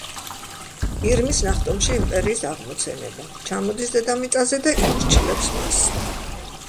ირმის ნახტომში იმპერიის აღმოცენება, ჩამოდის დედამიწაზე და იმორჩილებს მას.